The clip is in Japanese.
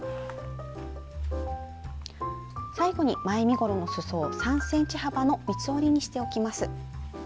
最後に前身ごろのすそを３ｃｍ幅の三つ折りにしておきます。